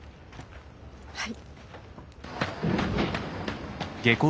はい。